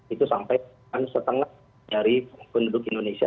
itu sampai setengah dari penduduk indonesia